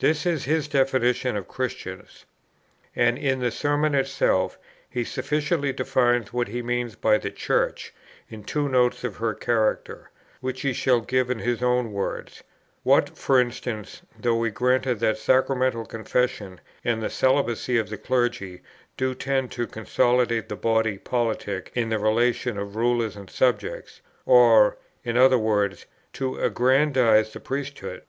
This is his definition of Christians. And in the Sermon itself, he sufficiently defines what he means by 'the Church,' in two notes of her character, which he shall give in his own words: 'What, for instance, though we grant that sacramental confession and the celibacy of the clergy do tend to consolidate the body politic in the relation of rulers and subjects, or, in other words, to aggrandize the priesthood?